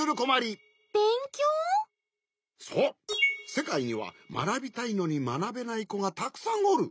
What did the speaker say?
せかいにはまなびたいのにまなべないこがたくさんおる。